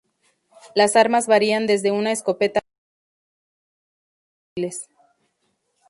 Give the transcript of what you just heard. Las armas varían desde una escopeta básica hasta un lanza-misiles.